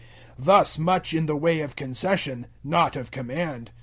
007:006 Thus much in the way of concession, not of command.